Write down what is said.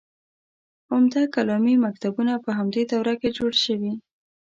عمده کلامي مکتبونه په همدې دوره کې جوړ شوي.